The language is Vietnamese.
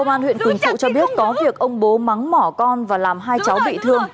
bố cho biết có việc ông bố mắng mỏ con và làm hai cháu bị thương